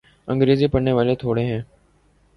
انگریزی پڑھنے والے تھوڑے ہیں۔